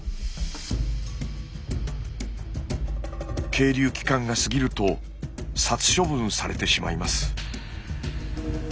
係留期間が過ぎると殺処分されてしまいます。